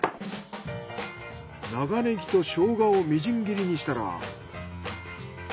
長ネギと生姜をみじん切りにしたら。